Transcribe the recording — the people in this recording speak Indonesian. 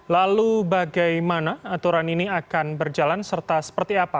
lalu bagaimana aturan ini akan berjalan serta seperti apa